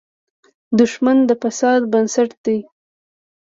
دښمن د فساد بنسټ دی